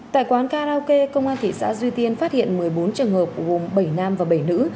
tại quán karaoke công an thị xã duy tiên phát hiện một mươi bốn trường hợp gồm bảy nam và bảy nữ